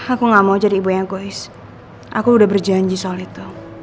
aku gak mau jadi ibu yang gois aku udah berjanji soal itu